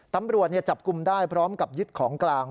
ตำรวจจับกลุ่มได้พร้อมกับยึดของกลาง